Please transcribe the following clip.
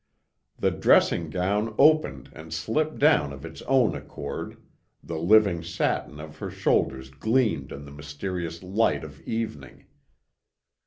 The dressing gown opened and slipped down of its own accord, the living satin of her shoulders gleamed in the mysterious light of evening.